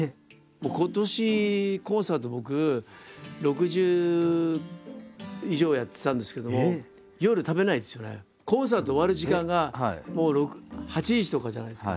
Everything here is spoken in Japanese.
今年コンサート僕６０以上やってたんですけどもコンサート終わる時間がもう８時とかじゃないですか。